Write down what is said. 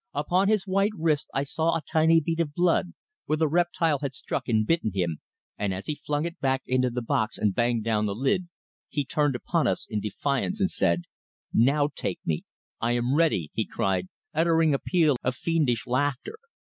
Upon his white wrist I saw a tiny bead of blood, where the reptile had struck and bitten him, and as he flung it back into the box and banged down the lid he turned upon us in defiance, and said: "Now take me! I am ready," he cried, uttering a peal of fiendish laughter.